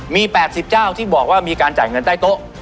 มี๘๐เจ้าที่บอกว่ามีการจ่ายเงินใต้โต๊ะ